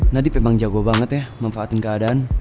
nadif emang jago banget ya